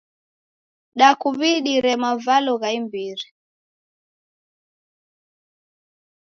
Dakuw'idire mavalo gha imbiri.